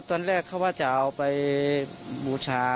ตอนแรกเขาว่าจะเอาไปบูชา